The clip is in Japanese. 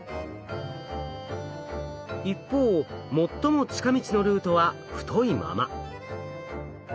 一方最も近道のルートは太いまま。